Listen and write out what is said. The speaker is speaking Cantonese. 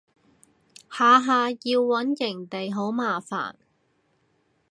下下要搵營地好麻煩